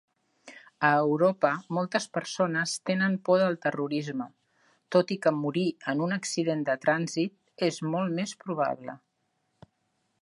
A Europa moltes persones tenen por del terrorisme, tot i que morir en un accident de trànsit és molt més probable.